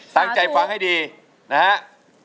ตั้งใจฟังให้ดีนะครับ